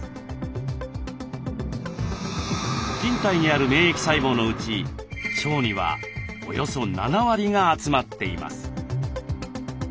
人体にある免疫細胞のうち腸にはおよそ７割が集まっています。